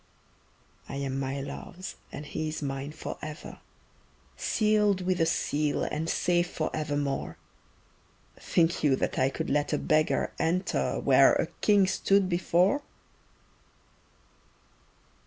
I am my love's and he is mine forever, Sealed with a seal and safe forevermore Think you that I could let a beggar enter Where a king stood before?